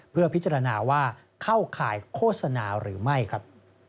เพื่อพิจารณาว่าเข้าข่ายโฆษณาหรือไม่ครับ